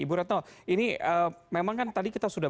ibu retno ini memang kan tadi kita sudah